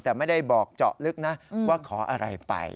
แต่ไม่ได้บอกเจาะลึกนะว่าขออะไรไป